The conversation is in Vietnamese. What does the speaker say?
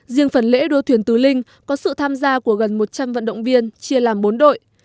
riêng phần lễ đua thuyền tứ linh có sự tham gia của gần một trăm linh vận động viên chia làm bốn đội